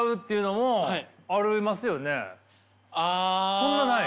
そんなない？